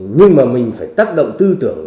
nhưng mà mình phải tác động tư tưởng